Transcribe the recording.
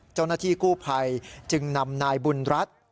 เจ้าหน้าที่กู้ภัยจึงนำนายบุญรัฐ